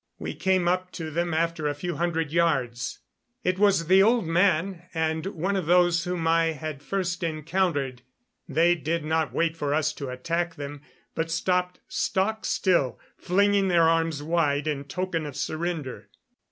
We came up to them after a few hundred yards. It was the old man, and one of those whom I had first encountered. They did not wait for us to attack them, but stopped stock still, flinging their arms wide in token of surrender.